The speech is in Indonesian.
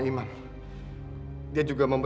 udah lu udah berubah